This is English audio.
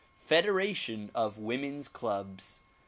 Federation of Women's Clubs.